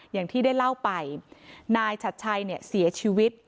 อย่างที่ได้เล่าไปนายชัดชัยเนี่ยเสียชีวิต